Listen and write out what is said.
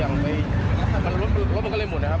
รถมันก็เลยเปลี่ยนไปรถมันก็เลยหมุนนะครับ